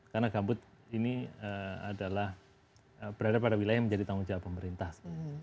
karena gambut ini adalah berada pada wilayah yang menjadi tanggung jawab pemerintah